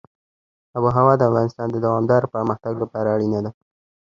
آب وهوا د افغانستان د دوامداره پرمختګ لپاره اړینه ده.